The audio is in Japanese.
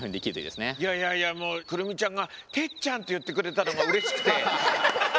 いやいやいやもう来泉ちゃんが「てっちゃん」って言ってくれたのがうれしくて。